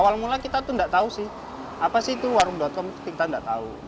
awal mula kita tuh nggak tahu sih apa sih itu warung com kita nggak tahu